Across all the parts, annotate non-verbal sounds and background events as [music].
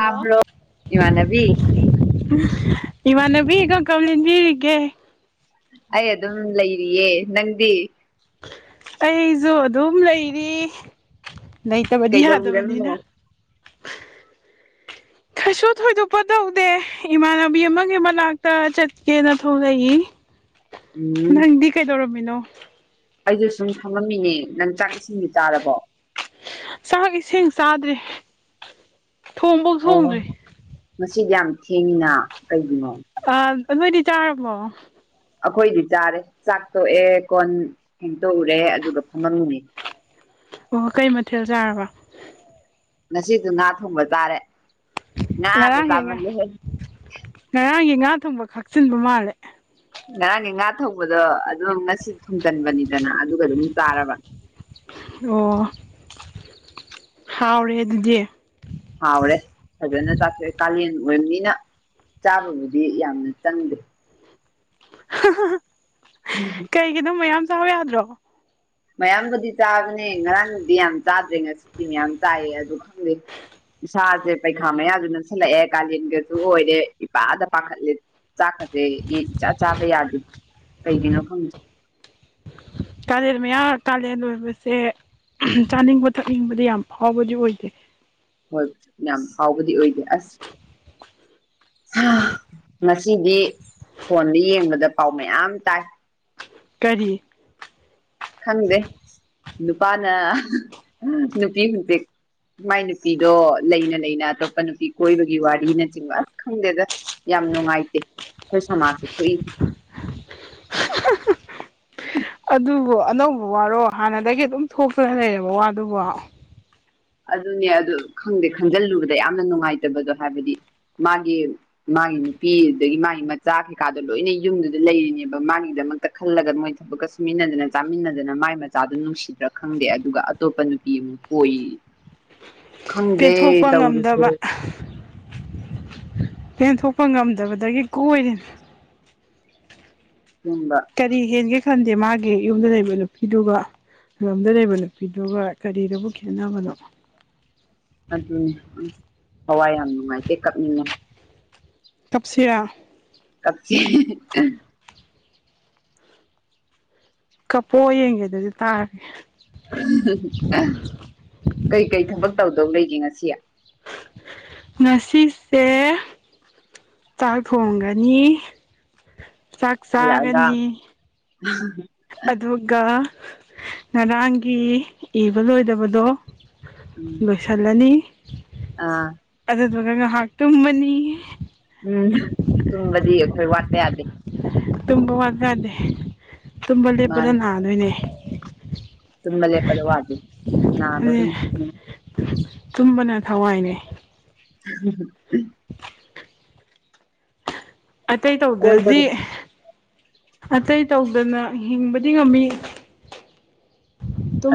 hello ꯏꯃꯥꯟꯅꯕꯤ ꯏꯃ ꯅꯕꯤꯒ ꯀꯃꯂꯤꯦꯟꯖꯤꯒ [unintelligible] ꯑꯩ ꯑꯗꯨꯝ ꯂꯩꯔꯤꯌꯦ ꯅꯪꯗꯤ ꯑꯩꯁꯨ ꯑꯗꯨꯝ ꯂꯩꯔꯤ ꯂꯩꯇꯕꯗꯤ ꯀꯩꯗꯧꯕꯤꯔꯝꯃꯤꯅꯣ ꯌꯥꯗꯕꯅꯤꯅꯥ [inaudible] ꯀꯩꯁꯨ ꯊꯣꯏꯗꯣꯛꯄ ꯇꯧꯗꯦ ꯏꯃꯥꯟꯅꯕꯤ ꯑꯃꯒꯤ ꯃꯅꯥꯛꯇ ꯆꯠꯀꯦꯅ ꯊꯣꯛꯂꯛꯏ [inaudible] ꯅꯪꯗꯤ ꯀꯩꯗꯧꯔꯝꯃꯤꯅꯣ ꯑꯩꯁꯨ ꯁꯨꯝ ꯐꯝꯃꯝꯃꯤꯅꯦ ꯅꯪ ꯆꯥꯛ ꯏꯁꯤꯡꯗꯤ ꯆꯥꯔꯕꯣ ꯆꯥꯛ ꯏꯁꯤꯡ ꯆꯥꯗꯦ ꯑꯣ ꯃꯁꯤꯗꯤ ꯌꯥꯝ ꯊꯦꯡꯉꯤꯅ ꯀꯩꯒꯤꯅꯣ ꯑ ꯅꯣꯏꯗꯤ ꯆꯥꯔꯕꯣ ꯑꯩꯈꯣꯏꯗꯤ ꯆꯥꯔꯦ ꯆꯥꯛ ꯇꯣꯛꯑꯦ ꯀꯣꯟ ꯍꯦꯟꯇꯣꯛꯎꯔꯦ ꯑꯗꯨꯒ ꯐꯪꯉꯝꯅꯤ ꯑꯣ ꯀꯩ ꯃꯊꯦꯜ ꯆꯥꯔꯕ ꯉꯁꯤꯗꯨ ꯉꯥ ꯊꯣꯡꯕ ꯇꯥꯔꯦ ꯉꯔꯥꯡꯒꯤ ꯉꯥ ꯉꯔꯥꯡꯒꯤ ꯉꯥ ꯊꯣꯡꯕ ꯈꯥꯛꯆꯤꯟꯕ ꯃꯥꯜꯂꯦ ꯉꯔꯥꯡꯒꯤ ꯉꯥ ꯊꯣꯡꯕꯗꯣ ꯑꯗꯨꯝ ꯉꯁꯤ ꯊꯣꯡꯖꯤꯟꯕꯅꯤꯗꯅ ꯑꯗꯨꯒ ꯑꯗꯨꯝ ꯆꯥꯔꯕ ꯑꯣ ꯍꯥꯎꯔꯦ ꯑꯗꯨꯗꯤ ꯍꯥꯎꯔꯦ ꯐꯖꯅ ꯆꯥꯊꯣꯛꯑꯦ ꯀꯥꯂꯦꯟ ꯑꯣꯏꯕꯅꯤꯅ ꯆꯥꯕꯕꯨꯗꯤ ꯌꯥꯝꯅ ꯆꯪꯗꯦ ꯍ ꯎꯝ ꯀꯩꯒꯤ ꯑꯗꯨꯝ ꯃꯌꯥꯝ ꯆꯥꯎ ꯌꯥꯗ꯭ꯔꯣ ꯃꯌꯥꯝꯕꯨꯗꯤ ꯆꯥꯕꯅꯦ ꯉꯔꯥꯡꯕꯨꯗꯤ ꯌꯥꯝ ꯆꯥꯗ꯭ꯔꯦ ꯉꯁꯤꯗꯤꯤ ꯃꯌꯥꯝ ꯆꯥꯏꯌꯦ ꯑꯗꯨ ꯈꯪꯗꯦ ꯏꯁꯥꯁꯦ ꯄꯩꯈꯥ ꯃꯌꯥꯁꯨ ꯅꯛꯁꯜꯂꯛꯑꯦ ꯀꯥꯂꯦꯟꯒꯁꯨ ꯑꯣꯏꯔꯦ ꯏꯄꯥꯗ ꯄꯥꯈꯠꯂꯦ ꯆꯥꯛꯀꯁꯦ ꯆꯥꯕ ꯌꯥꯗꯦ ꯀꯩꯒꯤꯅꯣ ꯈꯪ ꯀꯥꯂꯦꯟ ꯃꯌꯥ ꯀꯥꯂꯦꯟ ꯑꯣꯏꯣꯏꯕꯁꯦ ꯆꯥꯅꯤꯡꯕ ꯊꯛꯅꯤꯡꯕꯗꯤ ꯌꯥꯝ ꯐꯥꯎꯕꯗꯤ ꯑꯣꯏꯗꯦ ꯍꯣꯏ ꯌꯥꯝ ꯍꯥꯎꯕꯗꯤ ꯑꯣꯏꯗꯦ ꯑꯁ ꯉꯁꯤꯗꯤ ꯐꯣꯟꯗ ꯌꯦꯡꯕꯗ ꯄꯥꯎ ꯃꯌꯥꯝ ꯇꯥꯏ ꯀꯔꯤ ꯈꯪꯗꯦ ꯅꯨꯄꯥꯅ ꯅꯨꯄꯤ ꯍꯧꯖꯤꯤ ꯃꯥꯏ ꯅꯨꯄꯤꯗꯣ ꯂꯩꯅ ꯂꯩꯅ ꯑꯇꯣꯞꯄ ꯅꯨꯄꯤ ꯀꯣꯏꯕꯒꯤ ꯋꯥꯔꯤꯅꯆꯤꯡꯕ ꯑꯁ ꯈꯪꯗꯦꯗ ꯌꯥꯝ ꯅꯨꯡꯉꯥꯏꯇꯦ ꯑꯩꯈꯣꯏ ꯁꯃꯥꯖꯁꯤꯦ ꯊꯣꯛꯏ ꯑꯗꯨꯕꯨ ꯑꯅꯧꯕ ꯋꯥꯔꯣ ꯍꯥꯟꯅꯗꯒꯤ ꯑꯗꯨꯝ ꯊꯣꯛꯇꯅ ꯂꯩꯔꯦꯕ ꯋꯥꯗꯨꯕꯣ ꯑꯗꯨꯅꯦ ꯑꯗꯨ ꯈꯪꯗꯦ ꯈꯪꯖꯤꯜꯂꯨꯕꯗ ꯌꯥꯝꯅ ꯅꯨꯡꯉꯥꯏꯇꯕꯗꯣ ꯍꯥꯏꯕꯗꯤ ꯃꯥꯒꯤ ꯃꯥꯒꯤ ꯅꯨꯄꯤ ꯑꯗꯨꯗꯒꯤ ꯃꯥꯒꯤ ꯃꯆꯥ ꯀꯩꯀꯥꯗꯣ ꯂꯣꯏꯅ ꯌꯨꯝꯗꯨꯗ ꯂꯩꯔꯤꯅꯦꯕ ꯃꯥꯒꯤꯗꯃꯛꯇ ꯈꯜꯂꯒ ꯃꯣꯏ ꯊꯕꯛꯀ ꯁꯨꯃꯤꯟꯅꯗꯅ ꯆꯥꯃꯤꯟꯅꯗꯅ ꯃꯥꯏ ꯃꯆꯥꯗꯨꯣ ꯅꯨꯡꯁꯤꯗ꯭ꯔꯥ ꯈꯪꯗꯦ ꯑꯗꯨꯒ ꯑꯇꯣꯞꯄ ꯅꯨꯄꯤ ꯑꯃꯨꯛ ꯑꯣꯏꯣꯏ ꯄꯦꯟꯊꯣꯛꯄ ꯇꯧꯔꯤꯁꯦ ꯉꯝꯗꯕ ꯄꯦꯟꯊꯣꯛꯄ ꯉꯝꯗꯕꯗꯒꯤ ꯀꯣꯏꯔꯦꯅꯦ ꯍꯝꯕ ꯀꯔꯤ ꯍꯦꯟꯒꯦ ꯈꯟꯗꯦ ꯃꯥꯒꯤ ꯌꯨꯝꯗ ꯂꯩꯕ ꯅꯨꯄꯤꯗꯨꯒ ꯂꯝꯨꯡꯝꯗ ꯂꯩꯕ ꯅꯨꯄꯤꯗꯨꯒ ꯀꯔꯤꯗꯕꯨ ꯈꯦꯠꯅꯕꯅꯣ ꯑꯗꯨꯅꯦ ꯑꯁ ꯍꯋꯥꯏ ꯌꯥꯝ ꯅꯨꯡꯉꯥꯏꯇꯦ ꯀꯛꯅꯤꯡꯉꯦ ꯇꯞꯁꯤꯔꯥ ꯀꯛꯦ ꯀꯄꯣ ꯌꯦꯡꯒꯦ ꯑꯗꯨꯗꯤ ꯇꯥꯔꯦ ꯀꯩꯀꯩ ꯊꯕꯛ ꯇꯧꯗꯧ ꯂꯩꯒꯦ ꯉꯁꯤ ꯉꯁꯤꯁꯦ ꯆꯥꯛ ꯊꯣꯡꯒꯅꯤ ꯆꯥꯛ ꯑꯂꯗ ꯆꯥꯒꯅꯤ ꯑꯗꯨꯒ ꯉꯔꯥꯡꯒꯤ ꯏꯕ ꯂꯣꯏꯗꯕꯗꯣ ꯎꯝ ꯂꯣꯏꯁꯥꯂꯥꯅꯤ ꯑꯥ ꯑꯗꯨꯗꯨꯒ ꯉꯥꯏꯍꯥꯛ ꯇꯨꯝꯕꯅꯤ ꯎꯝ ꯇꯨꯝꯕꯗꯤ ꯑꯩꯈꯣꯏ ꯋꯥꯠꯄ ꯌꯥꯗꯦ ꯇꯨꯝꯕ ꯋꯥꯠꯀꯗꯦ ꯇꯨꯝꯕ ꯂꯦꯞꯄꯗ ꯅꯥꯗꯣꯏꯅꯦ ꯇ ꯂꯦ ꯄ ꯑꯗꯨ ꯋꯥ ꯍꯥꯏꯦ ꯅ ꯑꯗꯨꯅ ꯇꯨꯝꯕꯅ ꯊꯋꯥꯏꯅꯦ [unintelligible] ꯑꯇꯩ ꯇꯧꯗ‌꯭ꯔꯗꯤ ꯀꯣꯏꯕꯒ ꯑꯇꯩ ꯇꯧꯗꯅ ꯍꯤꯡꯕꯗꯤ ꯉꯝꯃꯤ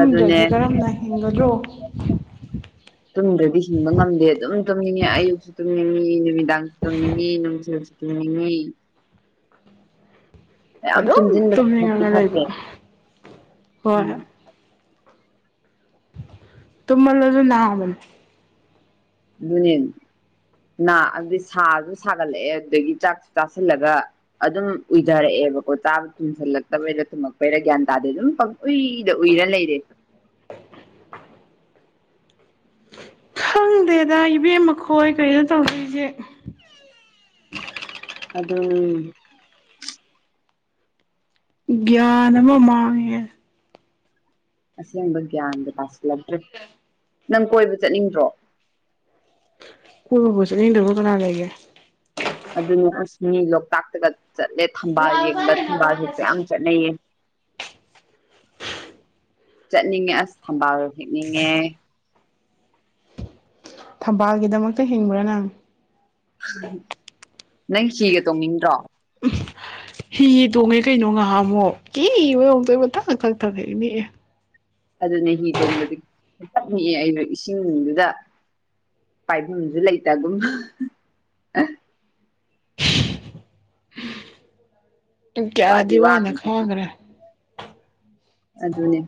ꯑꯗꯨꯅꯦ ꯀꯔꯝꯅ ꯍꯤꯡꯒꯗ꯭ꯔꯣ ꯇꯨꯝꯗ꯭ꯔꯗꯤ ꯍꯤꯡꯕ ꯉꯝꯗꯦ ꯑꯗꯨꯝ ꯇꯨꯝꯅꯤꯡ ꯑꯌꯨꯛꯁꯨ ꯇꯨꯝꯅꯤꯡꯉꯤ ꯅꯨꯃꯤꯗꯥꯡꯁꯨ ꯇꯨꯝꯅꯤꯡꯉꯤ ꯅꯨꯡꯊꯜꯁꯨ [inaudible] ꯃꯌꯥꯝ ꯑꯗꯨꯝ ꯇꯨꯝꯁꯤꯟꯕꯁꯨ ꯐꯠꯇꯤ ꯇꯨꯝꯅꯤꯡꯉꯅ ꯐꯠꯇꯦ ꯂꯩꯕ ꯍꯣꯏ ꯎꯝ ꯇꯨꯝ ꯃꯜꯂꯖꯨ ꯅꯥꯕꯅꯤ ꯑꯗꯨꯅꯦ ꯅꯥ ꯑꯗꯨꯗꯤ ꯁꯥꯁꯨ ꯁꯥꯒꯠꯂꯛꯑꯦ ꯑꯗꯨꯗꯒꯤ ꯆꯥꯛꯁꯨ ꯆꯥꯁꯤꯜꯂꯒ ꯑꯗꯨꯝ ꯎꯏꯊꯔꯛꯑꯦꯕꯀꯣ ꯆꯥ ꯇꯨꯝꯁꯤꯜꯂꯛꯇꯕꯩꯗ ꯊꯨꯝꯃꯛꯛꯄꯩꯔ ꯒ꯭ꯌꯥꯟ ꯇꯥꯗꯦ ꯑꯗꯨꯝ ꯎꯏꯗ ꯎꯏꯔ ꯂꯩꯔꯦ ꯈꯪꯗꯦꯗ ꯏꯕꯦꯝ ꯃꯈꯣꯏ ꯀꯩꯅꯣ ꯇꯧꯗ‌ꯣꯏꯖ‌ꯦ ꯑꯗꯨꯅꯤ ꯒ꯭ꯌꯥꯟ ꯑꯃ ꯃꯥꯥꯡꯉꯦꯍ‌ꯦ ꯑꯁꯦꯡꯕ ꯒ꯭ꯌꯥꯟꯒ ꯇꯥꯁꯤꯜꯂꯛꯇ꯭ꯔꯦ ꯅꯪ ꯀꯣꯏꯕ ꯆꯠꯅꯤꯡꯗ꯭ꯔꯣ ꯀꯣꯏꯕꯕꯨ ꯆꯠꯅꯤꯡꯗꯕ ꯀꯅꯥ ꯂꯩꯒꯦ ꯑꯗꯨꯅꯤ ꯑꯁ ꯃꯤ ꯂꯣꯛꯇꯥꯛꯇꯒ ꯆꯠꯂꯦ ꯊꯝꯕꯥꯜ ꯌꯦꯡꯕ ꯊꯝꯕꯥꯜ ꯍ‌ꯦꯛꯄ ꯌꯥꯝ ꯆꯠꯅꯩꯌꯦ ꯆꯠꯅꯤꯡꯉꯦ ꯑꯁ ꯊꯝꯕꯥꯜꯗꯣ ꯍꯦꯛꯅꯤꯡꯉꯦ ꯊꯝꯕꯥꯜꯒꯤꯗꯃꯛꯇ ꯍꯤꯡꯕ꯭ꯔꯥ ꯅꯪ ꯅꯪ ꯁꯤꯒ ꯇꯣꯡꯅꯤꯡꯗ꯭ꯔꯣ ꯍꯤ ꯇꯣꯡꯉꯦ ꯀꯩꯅꯣ ꯉꯥꯍꯥꯃꯨꯛ ꯀꯤꯕꯗ ꯑꯝꯇ‌ꯣꯏꯕ ꯊꯛ-ꯊꯛ-ꯊꯛ ꯍꯦꯛꯅꯤꯛꯑꯦ ꯑꯗꯨꯅꯤ ꯍꯤ ꯇꯣꯡꯕꯗꯤ ꯊꯛ-ꯊꯛꯅꯤꯛ ꯑꯦ ꯑꯩꯅ ꯏꯁꯤꯡꯗꯨꯗ ꯄꯥꯏꯚꯝꯖꯨ ꯂꯩꯇꯒꯨꯝ ꯋꯥꯗꯤ ꯀꯌꯥꯗꯤ ꯋꯥꯅ ꯋꯥꯈ꯭ꯔꯦ ꯈꯥꯡꯒ꯭ꯔ‌ꯦ ꯑꯗꯨꯅꯦ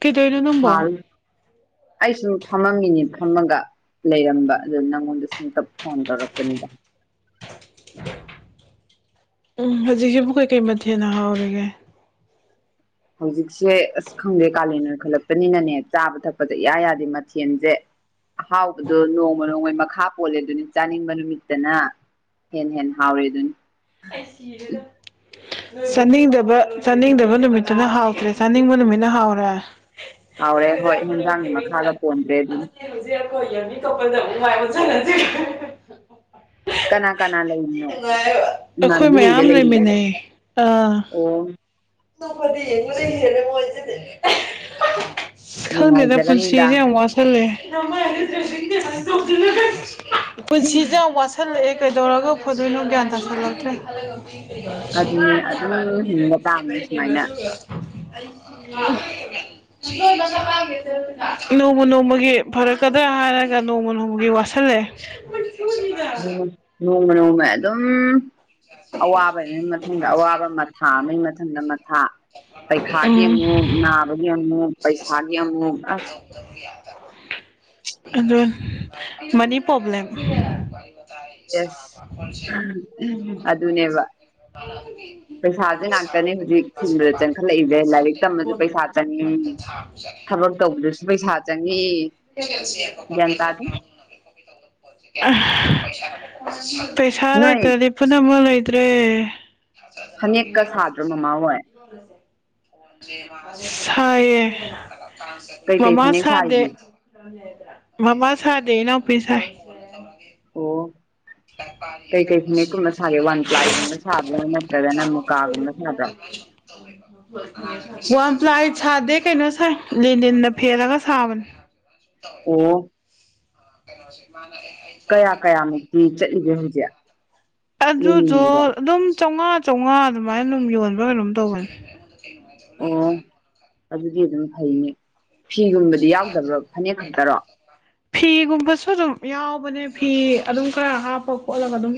ꯀꯤꯗ‌ꯣꯔꯤꯅ‌ꯣ ꯑꯩꯁꯨ ꯐꯝꯃꯝꯃꯤꯅꯦ ꯐꯝꯃꯒ ꯂꯩꯔꯝꯕ ꯑꯗꯨ ꯅꯪꯉꯣꯟꯗ ꯁꯨꯝꯇ ꯐꯣꯟ ꯇꯧꯔꯛꯄꯅꯤꯗ ꯎꯝ ꯍꯧꯖꯤꯛꯁꯤꯕꯨ ꯀꯩ-ꯀꯩ ꯃꯊꯦꯟꯅ ꯍꯥꯎꯔꯤꯒꯦ ꯍꯧꯖꯤꯛꯁꯦ ꯑꯁ ꯈꯪꯗꯦ ꯀꯥꯂꯦꯟ ꯑꯣꯏꯈꯜꯂꯛꯄꯅꯤꯅꯅꯦ ꯆꯥꯕ ꯊꯛꯄꯖ‌ꯦ ꯏꯌꯥ ꯌꯥꯗꯦ ꯃꯊꯦꯜꯖ‌ꯦ ꯑꯍꯥꯎꯕꯗꯣ ꯅꯣꯡꯃ-ꯅꯣꯡꯃꯩ ꯃꯈꯥ ꯄꯣꯜꯂ‌ꯦꯗꯨꯅꯤ ꯆꯥꯅꯤꯡꯕ ꯅꯨꯃꯤꯠꯇꯅ ꯍꯦꯟ-ꯍꯦꯟ ꯍꯥꯎꯔ‌ꯦꯗꯨꯅ ꯑꯩ ꯁꯤꯔꯦꯗ ꯆꯥꯅꯤꯡꯗꯕ ꯆꯥꯅꯤꯡꯗꯕ ꯅꯨꯃꯤꯠꯇꯨꯅ ꯍꯥꯎꯇ꯭ꯔꯦ ꯆꯥꯅꯤꯡꯕ ꯅꯨꯃꯤꯠꯅ ꯍꯥꯎꯔꯦ ꯍꯥꯎꯔꯦ ꯍꯣꯏ ꯍꯟꯖꯥꯡꯒꯤ ꯃꯈꯥꯗ ꯄꯣꯟꯗ꯭ꯔꯦ [unintelligible] ꯀꯅꯥ ꯀꯅꯥ ꯂꯩꯔꯤꯅꯣ ꯑꯩꯈꯣꯏ ꯏꯃꯥꯟꯅꯕꯤ ꯃꯌꯥꯝ ꯂꯩꯃꯤꯟꯅꯩ ꯑꯥ ꯑꯣꯝ [unintelligible] ꯈꯪꯗ‌ꯦꯗ ꯄꯨꯟꯁꯤ ꯅꯨꯡꯉꯥꯏꯖꯔꯅꯤꯗ ꯌꯥꯝ ꯋꯥꯁꯜ ꯂꯦ ꯄꯨꯟꯁꯤ ꯌꯥꯎꯋꯥꯁꯜ ꯊꯜꯂꯛꯑꯦ ꯀꯩꯗꯧꯔꯒ ꯐꯗꯣꯏꯅꯣ ꯒ꯭ꯌꯥꯟ ꯇꯥꯥꯁꯜꯂꯛꯇ꯭ꯔꯦ [unintelligible] [unintelligible] ꯑꯗꯨꯅꯦ ꯑꯗꯨꯝ ꯍꯤꯡꯕ ꯇꯥꯕꯅꯤ ꯁꯨꯃꯥꯏꯅ ꯅꯣꯡꯃ ꯅꯣꯡꯃꯒꯤ ꯐꯔꯛꯀꯗ꯭ꯔꯥ ꯍꯥꯏꯔꯒ ꯅꯣꯡꯃ ꯅꯣꯡꯃꯒꯤ ꯋꯥꯁꯜ ꯈꯜꯂꯦ ꯅꯣꯡꯃ ꯅꯣꯡꯃꯩ ꯑꯗꯨꯝ ꯑꯋꯥꯕ ꯃꯊꯪꯗ ꯑꯋꯥꯕ ꯑꯃ ꯊꯥ ꯑꯃꯩ ꯃꯊꯪꯗ ꯃꯊꯥ ꯄꯩꯈꯥꯒꯤ ꯎꯝ ꯑꯃꯨꯛ ꯅꯥꯕꯒꯤ ꯑꯃꯨꯛ ꯄꯩꯁꯥꯒꯤ ꯑꯃꯨꯛ ꯑꯁ ꯑꯗꯨꯟ ꯃꯅꯤ ꯄꯂ‌ꯣꯕ꯭ꯂꯦꯝ ꯌꯦꯁ ꯑꯗꯨꯅꯦꯕ ꯄꯩꯁꯥꯁꯦ ꯉꯥꯛꯇꯅꯦ ꯍꯧꯖꯤꯛ ꯍꯤꯡꯕꯗ ꯆꯪꯈꯠꯂꯛꯏꯁꯦ ꯂꯥꯏꯔꯤꯛ [unintelligible] ꯇꯝꯕꯁꯨ ꯄꯩꯁꯥ ꯆꯪꯉꯤ ꯊꯕꯛ ꯇꯧꯕꯗꯁꯨ ꯄꯩꯁꯥ ꯆꯪꯉꯤ [unintelligible] ꯒ꯭ꯌꯥꯟ ꯇꯥꯗꯦ ꯑ ꯄꯩꯁꯥ ꯅꯣꯏ ꯂꯩꯇ꯭ꯔꯗꯤ ꯄꯨꯝꯅꯃꯛ ꯂꯩꯇ꯭ꯔꯦ ꯍ ꯐꯅꯦꯛꯀ ꯁꯥꯗ꯭ꯔ ꯃꯃꯥ ꯍꯣꯏ [unintelligible] ꯁꯥꯏꯌꯦ ꯀꯩꯀꯩ ꯃꯃꯥ ꯐꯅꯦꯛ ꯁꯥꯗꯦ ꯁꯥꯔꯤꯒꯦ ꯃꯃꯥ ꯁꯥꯗ‌ꯦ ꯏꯅꯥꯎꯄꯤ ꯁꯥꯏ ꯑꯣ ꯀꯩꯀꯩ ꯐꯅꯦꯛꯀꯨꯝꯕ ꯁꯥꯒꯦ ꯋꯥꯟ ꯄ꯭ꯂꯥꯏꯒꯨꯝꯕ ꯁꯥꯕ꯭ꯔꯣ ꯅꯠꯇ꯭ꯔꯒꯅ ꯃꯨꯀꯥꯒꯨꯝꯕ ꯁꯥꯕ꯭ꯔꯣ [unintelligible] ꯋꯥꯝ ꯄ꯭ꯂꯥꯏ ꯁꯥꯗꯦ ꯀꯩꯅꯣ ꯁꯥꯏ ꯂꯦꯟꯗꯤꯟꯗ ꯐꯦꯂꯒ ꯁꯥꯕꯅꯦ ꯑꯣ [unintelligible] ꯀꯌꯥ ꯀꯌꯥꯃꯨꯛꯇꯤ ꯆꯠꯂꯤꯒꯦ ꯍꯧꯁꯦ ꯑꯗꯨꯗꯣ ꯑꯗꯨꯝ ꯆꯥꯝꯃꯉꯥ ꯆꯥꯝꯃꯉꯥ ꯑꯗꯨꯃꯥꯏꯅ ꯑꯗꯨꯝ ꯌꯣꯟꯕ ꯀꯩꯅꯣꯝ ꯇꯧꯕꯅꯤ ꯑꯣ ꯑꯗꯨꯗꯤ ꯑꯗꯨꯝ ꯐꯩꯅꯤ ꯐꯤꯒꯨꯝꯕꯗꯤ ꯌꯥꯎꯗꯕ꯭ꯔꯣ ꯐꯅꯦꯛ ꯈꯛꯇꯔꯣ [inaudible] ꯐꯤꯒꯨꯝꯕꯁꯨ ꯑꯗꯨꯝ ꯌꯥꯎꯕꯅꯦ ꯐꯤ ꯑꯗꯨꯝ ꯈꯔ ꯍꯥꯞꯄ ꯈꯣꯠꯂꯒ ꯑꯗꯨꯝ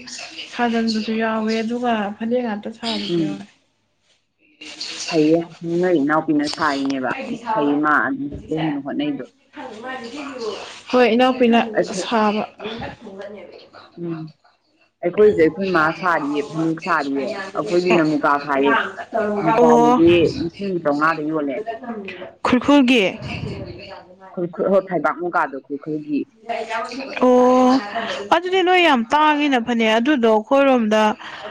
ꯁꯥꯖꯟꯕꯁꯨ ꯌꯥꯎꯋꯦ ꯑꯗꯨꯒ ꯐꯅꯦꯛ ꯉꯥꯛꯇ ꯁꯥꯕꯁꯨ ꯌꯥꯎꯋꯦ ꯍꯩꯌꯦ ꯅ ꯏꯅꯥꯎꯄꯤꯅ ꯁꯥꯔꯤꯅꯦꯕ ꯍꯩꯌꯦ ꯃꯥ ꯑꯗꯨ ꯀꯣꯏꯅ ꯍꯣꯠꯅꯩꯗꯣ ꯍꯣꯏ ꯏꯅꯥꯎꯄꯤꯅ ꯑꯩꯈꯣꯏ ꯁꯥꯕ ꯎꯝ ꯑꯩꯈꯣꯏꯁꯦ ꯑꯩꯈꯣꯏ ꯃꯥ ꯁꯥꯔꯤꯌꯦ ꯐꯅꯨꯛ ꯁꯥꯔꯤꯌꯦ ꯑꯩꯈꯣꯏꯒꯤ ꯅꯃꯨꯀꯥ ꯁꯥꯥꯏꯌꯦ ꯑꯣ ꯅꯨꯡꯁꯒꯤꯗꯤ ꯂꯤꯁꯤꯡ ꯆꯥꯃꯉꯥꯗ ꯌꯣꯜꯂꯦ ꯈꯨꯔꯈꯨꯜꯒꯤ ꯑꯩꯈꯣꯏ ꯍꯣꯏ ꯊꯩꯕꯥꯛ ꯃꯨꯒꯥꯥꯗꯣ ꯑꯩꯈꯣꯏꯈꯔꯣꯏꯒꯤ ꯑꯣ ꯑꯗꯨꯗꯤ ꯅꯣꯏ ꯌꯥꯝ ꯇꯥꯡꯉꯤꯅ ꯐꯅꯦꯛ ꯑꯗꯨꯗꯣ ꯑꯩꯈꯣꯏꯔꯣꯝꯗ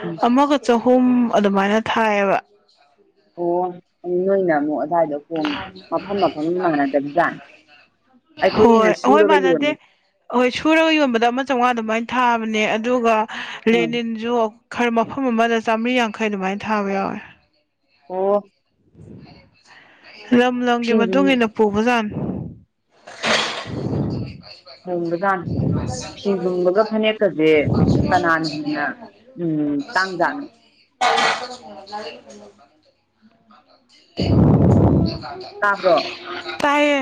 ꯎꯝ ꯑꯃꯒ ꯆꯍꯨꯝ ꯑꯗꯨꯃꯥꯏꯅ ꯊꯥꯏꯌꯦꯕ ꯑꯣ ꯅꯣꯏꯅ ꯑꯃꯨꯛ ꯑꯗꯨꯗꯥꯋꯥꯏꯗꯣ ꯍꯣꯏ ꯑꯩꯈꯣꯏꯒꯤꯅ ꯍꯣꯏ ꯁꯨꯔꯒ ꯃꯥꯅꯗꯦ ꯌꯣꯜꯂꯦ ꯍꯍꯣꯏ ꯁꯨꯔꯒ ꯌꯣꯟꯕꯗ ꯑꯃ ꯆꯥꯝꯃꯉꯥ ꯑꯗꯨꯃꯥꯏꯅ ꯊꯥꯕꯅꯦ ꯑꯗꯨꯒ ꯑꯪ ꯂꯦꯅꯤꯟꯁꯨ ꯈꯔ ꯃꯐꯝ ꯑꯃꯗ ꯆꯥꯝꯃꯔꯤ ꯌꯥꯡꯈꯩ ꯑꯗꯨꯃꯥꯏꯅ ꯊꯥꯕ ꯌꯥꯎꯋꯦ ꯑꯣ ꯂꯝ ꯂꯝꯒꯤ ꯐꯤ ꯃꯇꯨꯡ ꯏ ꯃꯇꯨꯡꯏꯟꯅ ꯄꯨꯕꯖꯥꯟ [inaudible] ꯍꯣꯡꯕꯖꯥꯠꯅꯤ ꯐꯤ ꯂꯨꯡꯕꯒ ꯐꯅꯦꯛꯀꯁꯦ ꯀꯅꯥꯅ ꯍꯦꯟꯅ ꯎꯝ ꯇꯥꯡꯖꯥꯅꯤ [inaudible] ꯇꯥꯕ꯭ꯔꯣ [inaudible] ꯇꯌꯦ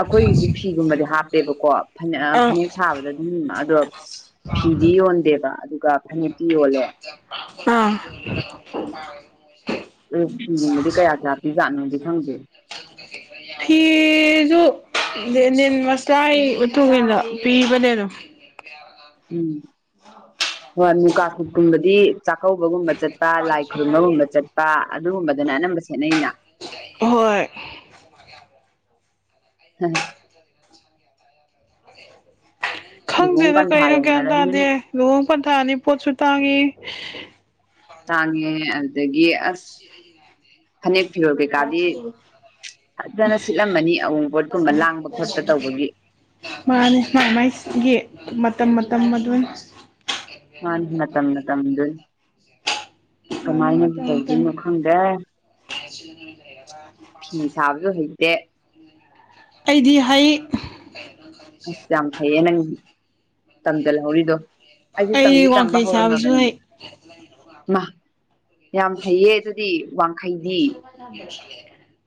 ꯑꯩꯈꯣꯏꯒꯤꯁꯨ ꯐꯤꯒꯨꯝꯕꯗꯤ ꯍꯥꯞꯄꯦꯕꯀꯣ ꯐꯅ ꯑꯥ ꯐꯅꯦꯛ ꯁꯥꯕꯗ ꯑꯗꯨꯝ ꯑꯗꯣ ꯐꯤꯗꯤ ꯌꯣꯟꯗꯦꯕ ꯑꯗꯨꯒ ꯐꯅꯛꯇꯤ ꯌꯣꯜꯂꯦ ꯑꯥ ꯎꯝ ꯎ ꯑꯗꯨꯗꯤ ꯀꯌꯥ ꯀꯌꯥ ꯄꯤꯖꯥꯅꯣꯒꯤ [inaudible] [inaudible] ꯐꯤꯗꯨ ꯂꯦꯅꯤꯟ ꯃꯁꯂꯥꯏ ꯃꯇꯨꯡ ꯏꯟꯅ ꯄꯤꯕꯅꯦ ꯑꯗꯨꯝ ꯎꯝ ꯍꯣꯏ ꯃꯨꯀ ꯁꯨꯠꯀꯨꯝꯕꯗꯤ ꯆꯥꯛꯀꯧꯕꯒꯨꯝꯕ ꯆꯠꯄ ꯂꯥꯏ ꯈꯨꯔꯨꯝꯕꯒꯨꯝꯕ ꯆꯠꯄ ꯑꯗꯨꯒꯨꯝꯕꯗꯨꯅ ꯑꯅꯝꯕ ꯁꯦꯠꯅꯩꯩꯅ ꯍꯣꯏ ꯎꯝ ꯂꯨꯍꯣꯡ ꯈꯪꯗꯦꯗ ꯄꯟꯊꯥ ꯀꯩꯅꯣ ꯒ꯭ꯌꯥꯟ ꯇꯥꯗꯦ ꯌꯧꯅꯔꯝꯅꯤꯅ ꯂꯨꯍꯣꯡ ꯄꯟꯊꯥꯑꯅꯤ ꯄꯣꯠꯁꯨ ꯇꯥꯡꯉꯤ ꯇꯥꯡꯉꯦ ꯑꯗꯨꯗꯒꯤ ꯑꯁ ꯐꯅꯦꯛ ꯐꯤꯔꯣꯜ ꯀꯩꯀꯥꯗꯤ ꯐꯖꯅ ꯁꯤꯠꯂꯝꯃꯅꯤ ꯑꯎꯟꯄꯣꯠꯀꯨꯝꯕ ꯂꯥꯡꯕ ꯈꯣꯠꯄ ꯇꯧꯕꯒꯤ ꯃꯥꯅꯤ ꯃꯥ ꯃꯥꯏꯒꯤ ꯃꯇꯝ ꯃꯇꯝ ꯑꯗꯨꯅꯤ ꯃꯥꯅꯤ ꯃꯇꯝ ꯃꯇꯝꯗꯨꯅꯤ ꯃꯥꯅꯤ ꯀꯃꯥꯏꯅ ꯃꯇꯝ ꯃꯇꯝ ꯇꯧꯗꯣꯏꯅꯣ ꯈꯪꯗꯦ [unintelligible] ꯇꯦ ꯑꯩꯗꯤ ꯍꯩ ꯑꯁ ꯌꯥꯝ ꯐꯩꯌꯦ ꯅꯪꯗꯤ ꯇꯝꯖꯜꯍꯧꯔꯤꯗꯣ ꯑꯩꯁꯨ ꯇꯝꯗꯤ ꯑꯩ ꯇꯝꯕ ꯋꯥꯡꯈꯩ ꯁꯥꯕꯁꯨ ꯍꯧꯔꯝꯃꯕꯅꯤ ꯍꯩ ꯃꯥ ꯌꯥꯝ ꯍꯩꯌꯦ ꯑꯗꯨꯗꯤ ꯋꯥꯡꯈꯩꯗꯤ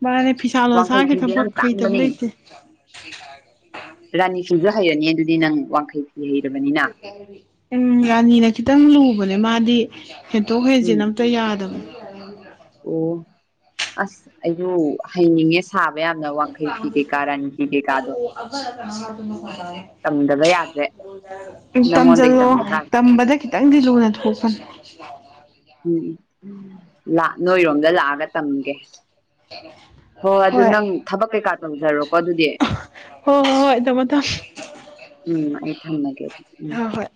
ꯃꯥꯅꯦ ꯐꯤꯁꯥ ꯋꯥꯡꯈꯩ ꯂꯣꯟꯁꯥꯒꯤ ꯐꯤꯁꯦ ꯌꯥꯝ ꯊꯕꯛ ꯍꯩꯇꯕ ꯇꯥꯡꯕꯅꯦ ꯂꯩꯇꯦ ꯔꯥꯅꯤꯐꯨꯁꯨ ꯍꯩꯔꯅꯤ ꯑꯗꯨꯗꯤ ꯅꯪ ꯋꯥꯡꯈꯩ ꯐꯤ ꯍꯩꯔꯕꯅꯤꯅ ꯎꯝ ꯔꯥꯅꯤꯅ ꯈꯤꯇꯪ ꯂꯨꯕꯅꯦ ꯃꯥꯗꯤ ꯍꯦꯟꯇꯣꯛ ꯎꯝ ꯍꯦꯟꯖꯤꯟ ꯑꯝꯇ ꯌꯥꯗꯕꯅꯦ ꯑꯣ ꯑꯁ ꯑꯩꯁꯨ ꯍꯅꯤꯡꯉꯦ ꯁꯥꯕ ꯌꯥꯝꯅ ꯋꯥꯡꯈꯩ ꯐꯤ ꯀꯩꯀꯥ ꯔꯥꯅꯤ ꯐꯤ ꯀꯩꯀꯥꯗꯣ ꯑꯕꯔ ꯀꯅꯥ ꯑꯗꯨ ꯇꯝꯗꯕ ꯌꯥꯗ꯭ꯔꯦ [unintelligible] ꯅꯪꯉꯣꯟꯗꯩ ꯇꯝꯖꯜꯂꯣ ꯇꯝꯕ ꯇꯥꯔꯦ ꯇꯝꯕꯗ ꯈꯤꯇꯪꯗꯤ ꯂꯨꯅ ꯊꯣꯛꯄꯅꯤ ꯎꯝ ꯅꯣꯏꯔꯣꯝꯗ ꯂꯥꯛꯑꯒ ꯇꯝꯒꯦ ꯍꯣꯏ ꯑꯗꯨ ꯅꯪ ꯊꯕꯛ ꯀꯩꯀꯥ ꯇꯧꯖꯔꯣ ꯍꯣꯏ ꯍꯣꯏ ꯍꯣꯏ ꯊꯝꯃꯣ ꯊꯝꯃꯣ ꯎꯝ ꯑꯃꯨꯛ ꯊꯝꯃꯒꯦ ꯑꯗꯨꯗꯤ ꯎꯝ ꯍꯣꯏ ꯍꯣꯏ